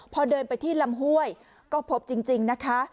พอเดินไปที่ลำห้วยก็พบจริงนะคะ